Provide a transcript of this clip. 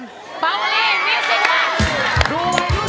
เปาตรฐานมิวซิกมา